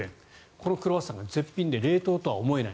このクロワッサンが絶品で冷凍とは思えない。